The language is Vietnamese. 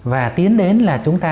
và tiến đến là chúng ta